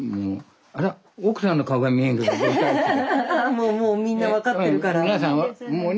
もうもうみんな分かってるから。